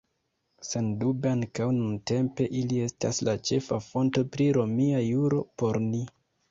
Sendube ankaŭ nuntempe ili estas la ĉefa fonto pri romia juro por ni.